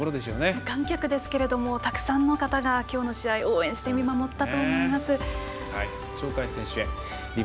無観客ですけれどもたくさんの方がきょうの試合応援して見守ったと思います。